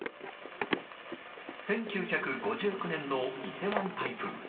１９５９年の伊勢湾台風。